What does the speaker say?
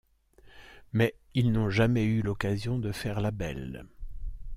Mais ils n'ont jamais eu l'occasion de faire la belle.